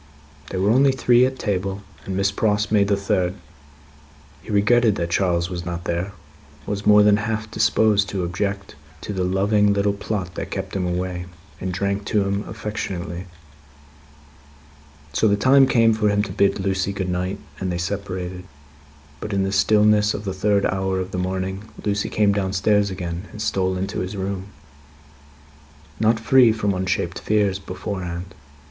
They were only three at table, and Miss Pross made the third. He regretted that Charles was not there; was more than half disposed to object to the loving little plot that kept him away; and drank to him affectionately. So, the time came for him to bid Lucie good night, and they separated. But, in the stillness of the third hour of the morning, Lucie came downstairs again, and stole into his room; not free from unshaped fears, beforehand.